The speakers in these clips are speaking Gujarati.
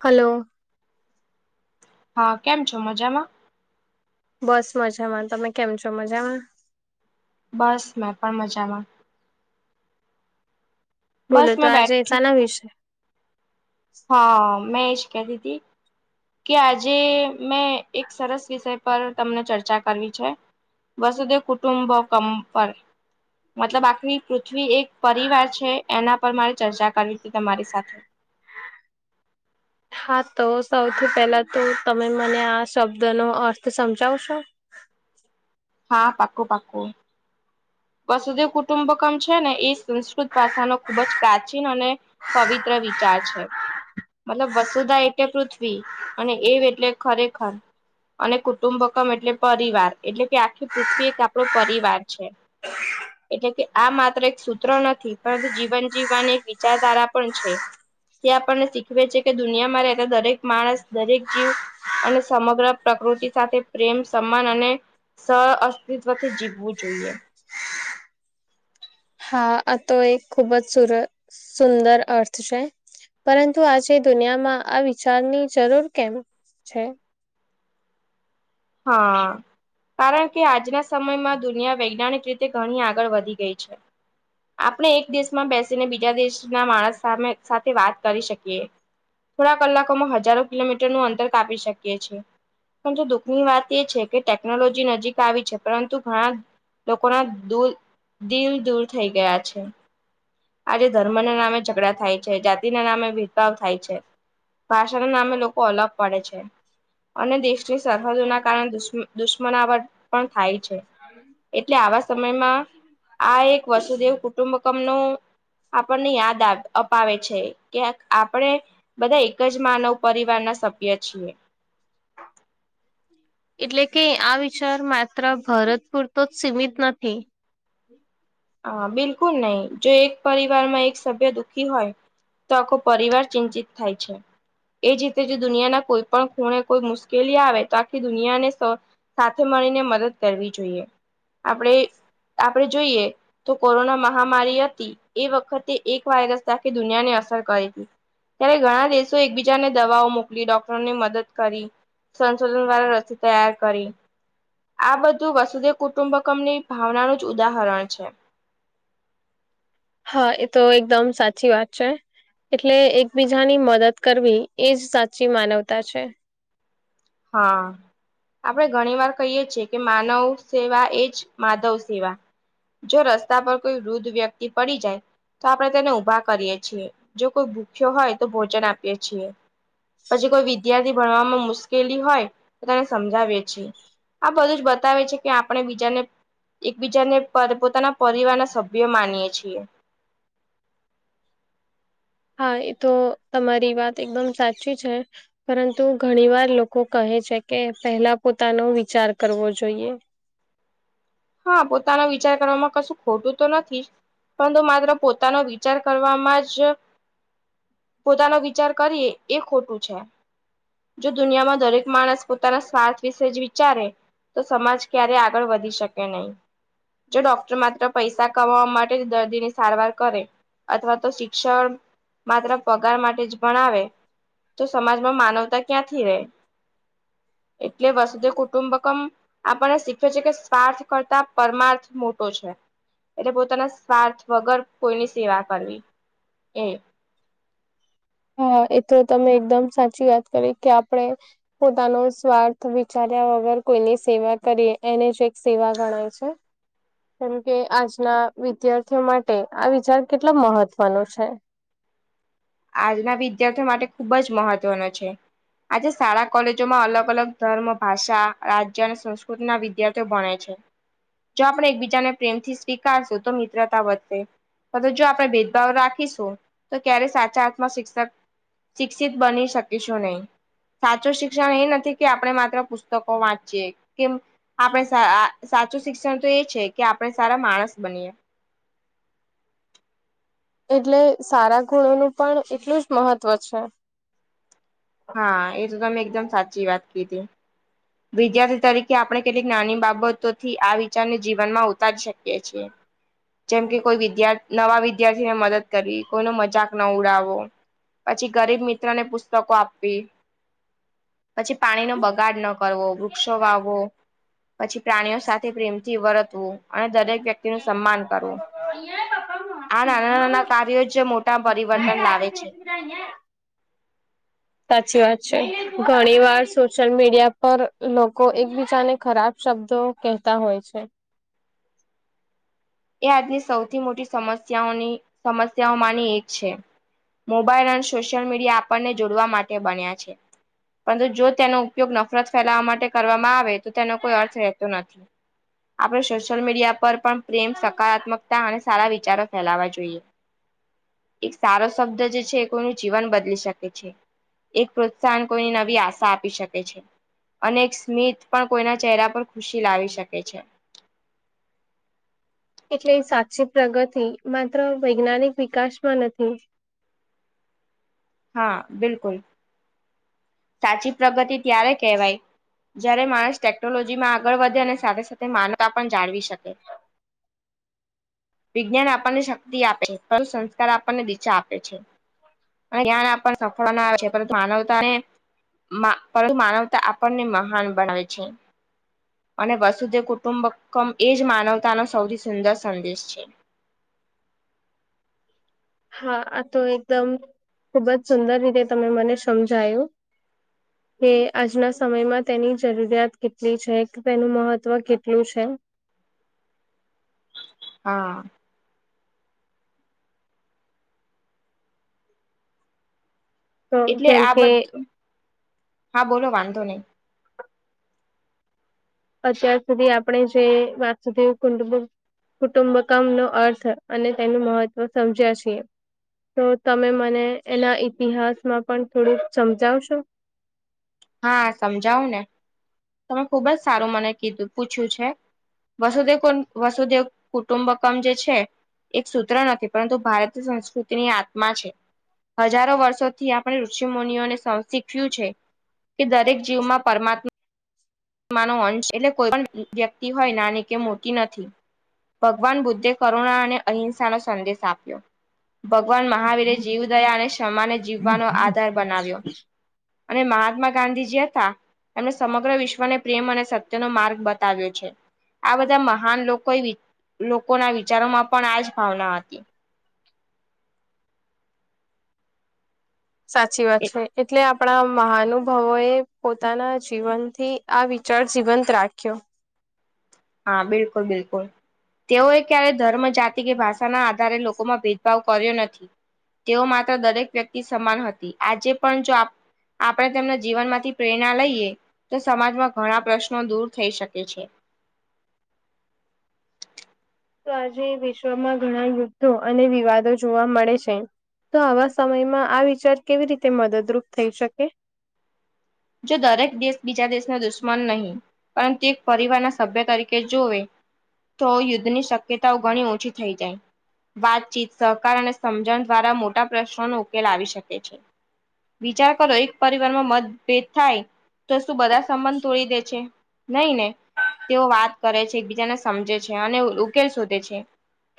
હલો હા કેમ છો મજામાં બસ મજામાં તમે કેમ છો મજામાં બસ મેં પણ મજામાં બોલો બસ તો મેં આજે એ ચ બેઠી ના વિષય હા મેં જ કતી હતી કે આજે મેં એક સરસ વિષય પર તમને ચર્ચા કરવી છે વસદ કુટુંબ કપર મતલબ આખી પૃથ્વી એક પરિવાર છે એના પર મારે ચર્ચા કરવી હતી તમારી સાથે હા તો સૌથી પહેલા તો તમે મને આ શબ્દ નો અર્થ સમજાવશો હા પાકું પાકું વસુદેવ કુટુંબકમ છે ને એ સંસ્કૃત ભાષાનો ખૂબ જ પ્રાચીન અને પવિત્ર વિચાર છે મતલબ વસુધા એટલે પૃથ્વી અને એ એટલે ખરેખર અને કુટુંબકમ એટલે પરિવાર એટલે કે આખી પૃથ્વી એક આપણો પરિવાર છે [inaudible] એટલે કે આ માત્ર એક સૂત્ર નથી પરંતુ જીવન જીવવાની એક વિચારધારા પણ છે તે આપણને શીખવે છે કે દુનિયામાં રહેતા દરેક માણસ દરેક જીવ અને સમગ્ર પ્રકૃતિ સાથે પ્રેમ સમાન અને સહઅસ્તિત્વથી જીવવું જોઈએ હા આ તો એક ખૂબ જ સુર સુંદર અર્થ છે પરંતુ આજે દુનિયામાં આ વિચારની જરૂર કેમ છે હા કારણ કે આજના સમયમાં દુનિયા વૈજ્ઞાનિક રીતે ઘણી આગળ વધી ગઈ છે આપણે એક દેશમાં બેસીને બીજા દેશના માણસમે સાથે વાત કરી શકીએ થોડા કલાકોમાં હજારો કિલોમીટર નું અંતર કાપી શકીએ છે પરંતુ દુ ની વાત એ છે કે ટેકનોલોજી નજીક આવી છે પરંતુ ઘણા લોકો ના દૂર દિલ દૂર થઈ ગયા છે આજે ધર્મ ના નામે ઝઘડા થાય છે જાતિના નામે ભેદભાવ થાય છે ભાષાના નામે લોકો અલગ પડે છે અને દેશની સરહદોના કારણે દુશ દુશ્મનાવટ પણ થાય છે [unintelligible] એટલે આવા સમયમાં આ એક વસુદેવ કુટુંબકમ નું આપણને યાદ અપાવે છે કે્યા આપણે બધા એક જ માનવ પરિવાર ના સભ્ય છીએ એટલે કે આ વિચાર માત્ર ભરતપુર તો જ સીમિત નથી હા બિલકુલ નહી જો એક પરિવાર માં એક સભ્ય દુઃખી હોય તો આખો પરિવાર ચિંતિત થાય છે એ રીતે જે દુનિયાના કોઈ પણ ખૂણે કોઈ મુશ્કેલી આવે તો આખી દુનિયાને સાથે મળીને મદદ કરવી જોઈએ આપણે આપણે જોઈએ તો કોરોના મહામારી હતી એ વખતે એક વાયરસ ત દુનિયાને અસર કરે હતી ત્યારે ઘણા દેશો એકબીજાને દવાઓ મોકલી ડોક્ટરોને મદદ કરી સંશોધન દ્વારાા રસી તૈયાર કરી આ બધું વસુદેવ કુટુંબકમની ભાવનાનું જ ઉદાહરણ છે હા એ તો એકદમ સાચી વાત છે એટલે એકબીજાની મદદ કરવી એજ સાચી માનવતા છે હા આપડણે ઘણી વાર કહીય છીએ કે માનવ સેવા એજ માધવ સેવા જો રસ્તા પર કોઈ વૃદ્ધ વ્યક્તિ પડી જાય તો આપણે તેને ઊભા કરીએ છીએ જો કોઈ ભૂખ્યો હોય તો ભોજન આપીએ છીએ પછી કોઈ વિદ્યાર્થી ભણવામાં મુ કે હોય તો તેને સમજાવી છીએ આ બધું જ બતાવે છે કે આપણે બીજાને એકબીજાને પોતાના પરિવાર ના સભ્યો માનીએે છીએ હા એ તો તમારી વાત એકદમ સાચી છે પરંતુ ઘણી વાર લોકો કહે છે કે પહેલા પોતાનો વિચાર કરવો જોઈએ હા પોતાનો વિચાર કરવામાં કશું ખોટું તો નથી પરંતુ માત્ર પોતાનો વિચાર કરવામાં જ પોતાનો વિચાર કરીએ એ ખોટું છે જો દુનિયામાં દરેક માણસ પોતાના સ્વાર્થ વિશે જ વિચારે તો સમાજ ક્યારે આગળ વધી શકે નહીં જો ડોક્ટર માત્ર પૈસા કમાવા માટે જ દર્દી ની સારવાર કરે અથવા તો શિક્ષણ માત્ર પગાર માટે જ ભણાવે તો સમાજમાં માનવતા ક્યાં થી રહે. એટલે વસુધૈવ કુટુંબકમ આપણને શીખે છે કે સ્વાર્થ કરતા પરમાર્થ મોટો છે એટલે પોતાના સ્વાર્થ વગર કોઈની સેવા કરવી એ હા એ તો તમે એકદમ સાચી વાત કરી કે આપણે પોતાનો સ્વાર્થ વિચાર્યા વગર કોઈની સેવા કરી એને જ એક સેવા ગણાય છે કેમ કે, આજના વિદ્યાર્થીઓ માટે આ વિચાર કેટલો મહત્વનો છે? આજના વિદ્યાર્થીઓ માટે ખૂબ જ મહત્વનો છે. આજે શાળા કોલેજોમાં અલગ અલગ ધર્મ ભાષા રાજ્ય અને સંસ્કૃતિ ના વિ વિદ્યાર્થીઓ ભણે છે. જો આપણે એકબીજાને પ્રેમથી સ્વીકારશું તો મિત્રતા વધે. જો આપણે ભેદભાવ રાખીશું તો ક્યારે સાચા અર્થમાં શિક્ષક શિક્ષિત બની શકીશું નહીં. સાચું શિક્ષણ એ નથી કે આપણે માત્ર પુસ્તકો વાંચીએ. કેમ આપણે સાચું શિક્ષણ તો એ છે કે આપણે સારા માણસ બનીએ. એટલે સારા ગુણોનું પણ એટલું જ મહત્વ છે. હા એ તો તમે એકદમ સાચી વાત કીધી. વિદ્યાર્થી તરીકે આપણે કેટલીક નાની બાબતોથી આ વિચારને જીવનમાં ઉતારી શકીએ છીએ. જેમ કે કોઈ વિદ્યાર નવા વિદ્યાર્થી ને મદદ કરવી, કોઈનો મજાક ના ઉડાવો, પછી ગરીબ મિત્ર ને પુસ્તકો આપવી, પછી પાણી નો બગાડ ન કરવો, વૃક્ષો વાવવો, પછી પ્રાણીઓ સાથે પ્રેમથી વર્તવું. અને દરેક વ્યક્તિ નું સન્માન કરવું આ નાના નાના કાર્યો જ મોટા પરિવર્તન લાવે છે. જઈે [unintelligible] સાચી વાત છે ઘણી વાર સોશિયલ મીડિયા પર લોકો એકબીજાને ખરાબ શબ્દો કહેતા હોય છે એ આજની સૌથી મોટી સમસ્યાઓની સમસ્યાઓમાંની એક છે મોબાઈલ અને સોશિયલ મીડિયા આપણને જોડવા માટે બન્યા છે પરંતુ, જો તેનો ઉપયોગ નફરત ફેલાવા માટે કરવામાં આવે તો તેનો કોઈ અર્થ રહેતો નથી. આપણે સોશિયલ મીડિયા પર પણ પ્રેમ, સકારાત્મકતા અને સારા વિચારો ફેલાવા જોઈએ. એક સારો શબ્દ જે છે કોઈનું જીવન બદલી શકે છે. એક પ્રોત્સાહન કોઈની નવી આશા આપી શકે છે. અને એક સ્મિત પણ કોઈના ચહેરા પર ખુશી લાવી શકે છે. એટલે સાચી પ્રગતિ માત્ર વૈજ્ઞાનિક વિકાસ માં નથી. હા, બિલકુલ. સાચી પ્રગતિ ત્યારે કહેવાય જયારે માણસ ટેકનોલોજી માં આગળ વધે અને સાથે સાથે માનવતા પણ જાળવી શકે. વિજ્ઞાન આપણને શક્તિ આપે છે પણ સંસ્કાર આપણને દિશા આપે છે અને જ્ઞાન આપવાને સફળ ના આવે છે પરંતુ માનવતા ને મા પરંતુ, માનવતા આપણને મહાન બનાવે છે. અને વસુધૈવ કુટુંબકમ એજ માનવતા નો સૌથી સુંદર સંદેશ છે એમ [unintelligible] હા આ તો એકદમ ખુબ જ સુંદર રીતે તમે મને સમજાયું. [inaudible] કે આજના સમયમાં તેની જરૂરિયાત કેટલી છે કે, તેનું મહત્વ કેટલું છે. હા [inaudible] તો એટલે જેમ આ કે બધું. હા, બોલો, વાંધો નહીં. અત્યાર સુધી આપણે જે વસુધૈવ કુંડ કુટુંબકમ નો અર્થ અને તેનું મહત્વ સમજ્યા છીએ. તો તમે મને એના ઈતિહાસમાં પણ થોડુંક સમજાવશો? હા સમજાવુંને. તમે ખુબ જ સારું મને કીધું પૂછ્યું છે. વસુદેવ વસુદેવ કુટુંબકમ જે છે એક સૂત્ર નથી પરંતુ ભારતીય સંસ્કૃતિની આત્મા છે હજારો વર્ષોથી આપણે ઋષિ મુનિઓને શીખ્યું છે કે દરેક જીવમાં પરમાત્મા માનો અંશ એટલે કોઈ પણ વ્યક્તિ હોય નાની કે મોટી નથી ભગવાન બુદ્ધે કરુણા અને અહિંસા નો સંદેશ આપ્યો ભગવાન મહાવીરે જીવદયા અને ક્ષમાને જીવવાનો આધાર બનાવ્યો અને મહાત્મા ગાંધીજી હતા એમને સમગ્ર વિશ્વ ને પ્રેમ અને સત્યનોો માર્ગ બતાવ્યો છે આ બધા મહાન લોકો લોકોના વિચારોમાં પણ આ જ ભાવના હતી સાચી વાત છે એટલે આપણા મહાનુભાવો એ પોતાના જીવનથી આ વિચાર જીવંત રાખ્યો હા બિલકુલ બિલકુલ તેઓએ ક્યારેય ધર્મ જાતિ કે ભાષાના આધારે લોકોમાં ભેદભાવ કર્યો નથી તેઓ માત્ર દરેક વ્યક્તિ સમાન હતી આજે પણ જો આપણે તેમના જીવન માંથી પ્રેરણા લઈએ તો સમાજમાં ઘણા પ્રશ્નો દૂર થઈ શકે છે તો આજે વિશ્વમાં ઘણા યુદ્ધો અને વિવાદો જોવા મળે છે તો આવા સમયમાં આ વિચાર કેવી રીતે મદદરૂપ થઈ શકે જો દરેક દેશ બીજા દેશને દુશ્મન નહીં પરંતુ એક પરિવારના સભ્ય તરીકે જોવે તો યુદ્ધની શક્યતાઓ ઘણી ઓછી થઈ જાય વાતચીત સહકાર અને સમજણ દ્વારા મોટા પ્રશ્નોનો ઉકેલ આવી શકે છે વિચાર કરો એક પરિવાર માં મત ભેદ થાય તો શું બધા સંબંધ તોડી દે છે નહી નને તેઓ વાત કરે છે એકબીજાને સમજે છે અને ઉકેલ શોધે છે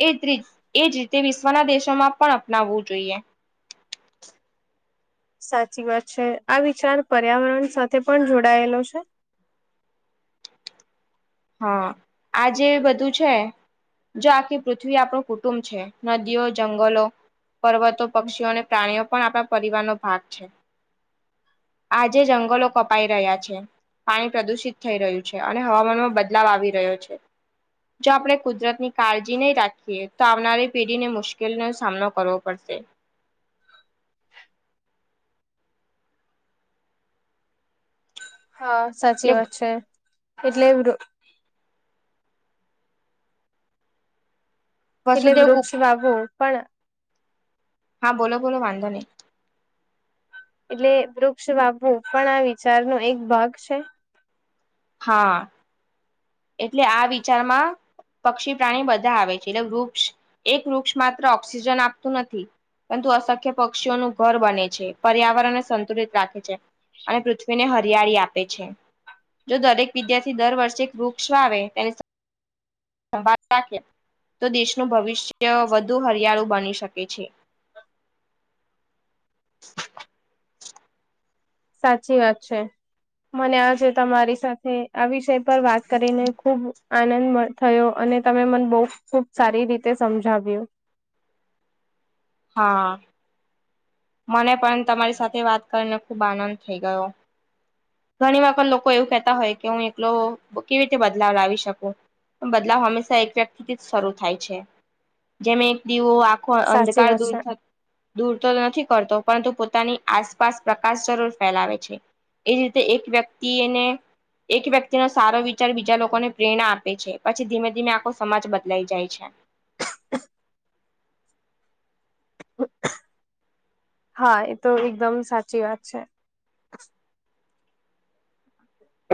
એજ ર એજ રીતે વિશ્વના દેશોમાં પણ અપનાવવું જોઈએ સાચી વાત છે આ વિચાર પર્યાવરણ સાથે પણ જોડાયેલો છે હા આ જે બધું છે જો આખી પૃથ્વી આપણું કુટુંબ છે નદીઓ જંગલો પર્વતો પક્ષીઓ અને પ્રાણીઓ પણ આપણા પરિવારનો ભાગ છે [inaudible] આજે જંગલો કપાઈ રહ્યા છે પાણી પ્રદુષિત થઈ રહ્યું છે અને હવામાનમાં બ બદલાવ આવી રહ્યો છે જો આપણે કુદરતની કાળજી નહી રાખીએ તો આવનારી પેઢીને મુશ્કેલીનો સામનો કરવો પડશે હા સાચી એટલે વાત છે એટલે એટલે વસુદેવ કુ વૃક્ષ વાવો પણ હા બોલો બોલો વાંધો નં એટલે વૃક્ષ બાપુ પણ આ વિચારનોો એક ભાગ છે હા એટલે આ વિચારમાં પક્ષી પ્રાણી બધા આવે છે એટલે વૃક્ષ એક વૃક્ષ માત્ર ઓક્સિજન આપતું નથી પરંતુ અસખ્ય પક્ષીઓનું ઘર બને છે પર્યાવરણને સંતુલિત રાખે છે અને પૃથ્વીને હરિયાળી આપે છે જો દરેક વિદ્યાર્થી દર વર્ષે વૃક્ષ આવે તે સંભળ રાખે તો દેશનું ભવિષ્ય વધુ હરિયાળુ બની શકે છે સાચી વાત છે. મને આ છે તમારી સાથે આ વિષય પર વાત કરીને, ખુબ આનંદ મળે. થયો. અને તમે મને બહુ ખુબ સારી રીતે સમજાવ્યું. હા! મને પણ તમારી સાથે વાત કરીને ખુબ આનંદ થઈ ગયો. ઘણી વખત લોકો એવું કહેતા હોય કે, હું એકલો કેવી રીતે બદલાવ લાવી શકું. બદલાવ હંમેશા એક વ્યક્તિથી જ શરૂ થાય છે. જેમ એક દીવો. સાચી અંધકાર વાત દૂર છે કરે, દૂર તો નથી. કરતો પરંતુ પોતાની આસપાસ પ્રકાશ જરૂર ફેલાવે છે. એજ રીતે એક વ્યક્તિ એને. એક વ્યક્તિ નો સારો વિચાર બીજા લોકોને પ્રેરણા આપે છે. પછી ધીમે-ધીમે આખો સમાજ બદલાઈ જાય છે. હા! એ તો એકદમ સાચી વાત છે.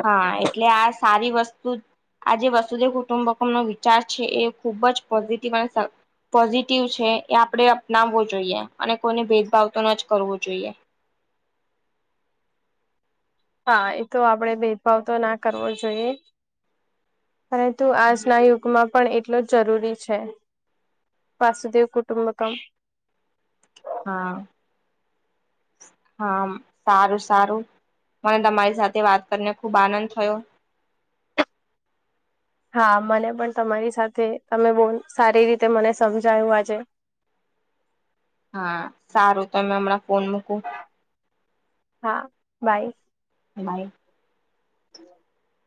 હા! એટલે આ સારી વસ્તુ. આજે વસુદેવ કુટુંબકમ નો વિચાર છે. એ ખુબ જ પોઝિટિવ અને. પોઝિટિવ છે. એ આપણે અપનાવવો જોઈએ. અને કોઈને ભેદભાવ તો ન જ કરવો જોઈએ. હા! એ તો આપણે ભેદભાવ તો ના કરવો જોઈએ. પરંતુ આજના યુગમાં. પણ એટલો જ જરૂરી છે. વાસુદેવ કુટુંબકમ. હા! હા! સારું સારું. મને તમારી સાથે વાત કરીને ખુબ આનંદ થયો. હા! મને પણ તમારી સાથે તમે બહુ સારી રીતે મને સમજાવ્યું આજે. હા! સારું. તો હવે હમણાં ફોન મૂકું. હા બાઈ. બાય. [inaudible]